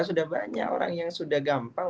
sudah banyak orang yang sudah gampang